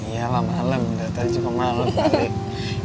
iya lah malem udah tadi juga malem